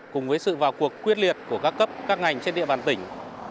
cùng với sự vào cuộc quyết liệt của các cấp các ngành trên địa bàn tỉnh